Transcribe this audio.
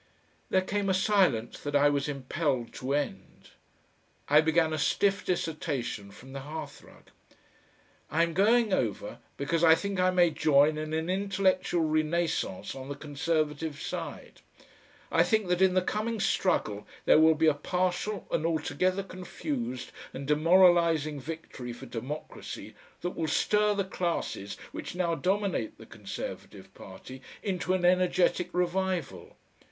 There came a silence that I was impelled to end. I began a stiff dissertation from the hearthrug. "I am going over, because I think I may join in an intellectual renascence on the Conservative side. I think that in the coming struggle there will be a partial and altogether confused and demoralising victory for democracy, that will stir the classes which now dominate the Conservative party into an energetic revival.